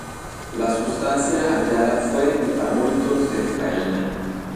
La sustancia hallada fue metabolitos de cocaína.